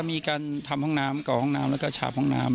มีการทำห้องน้ำก่อห้องน้ำแล้วก็ฉาบห้องน้ำ